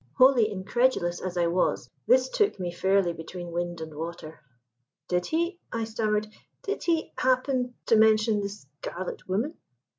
_" Wholly incredulous as I was, this took me fairly between wind and water. "Did he," I stammered, "did he happen to mention the Scarlet Woman?"